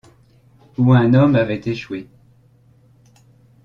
Où un homme avait échoué